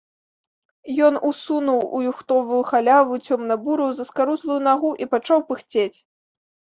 Ён усунуў у юхтовую халяву цёмна-бурую заскарузлую нагу і пачаў пыхцець.